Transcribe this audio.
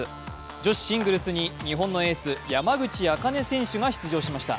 女子シングルスに日本のエース、山口茜選手が出場しました。